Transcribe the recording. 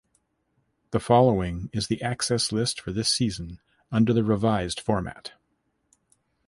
The following is the access list for this season under the revised format.